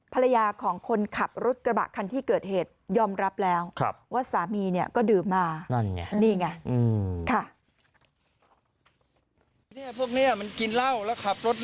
ภรรยาของคนขับรถกระบะคันที่เกิดเหตุยอมรับแล้วว่าสามีเนี่ยก็ดื่มมานั่นไง